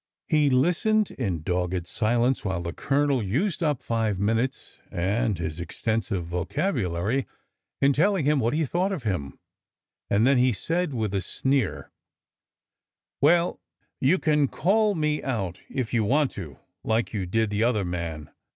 He listened in dogged silence while the Colonel used up five minutes and his extensive vocabulary in telling him what he thought of him, and then he said with a sneer :" Well, you can call me out if you want to, like you did the other man.